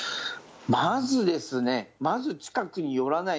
まずですね、まず近くに寄らない。